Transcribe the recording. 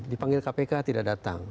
dipanggil kpk tidak datang